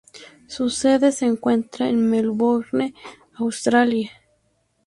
Su sede se encuentra en Melbourne, Australia.